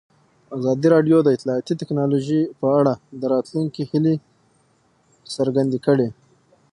ازادي راډیو د اطلاعاتی تکنالوژي په اړه د راتلونکي هیلې څرګندې کړې.